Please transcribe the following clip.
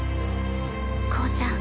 向ちゃん